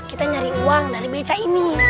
kita nyari uang dari beca ini